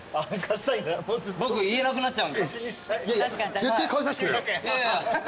僕言えなくなっちゃう。